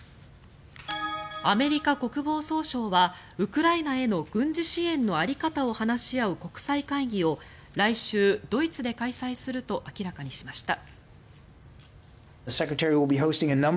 アメリカ国防総省はウクライナへの軍事支援の在り方を話し合う国際会議を来週、ドイツで開催すると明らかにしました。